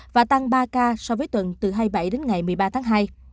và tăng ba ca so với tuần từ hai mươi bảy đến ngày một mươi ba tháng hai